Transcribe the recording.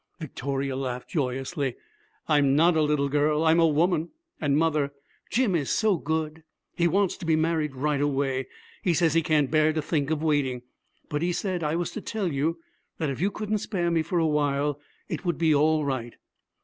Victoria laughed joyously. 'I'm not a little girl. I'm a woman. And, mother, Jim is so good. He wants to be married right away. He says he can't bear to think of waiting. But he said I was to tell you that if you couldn't spare me for a while, it would be all right.'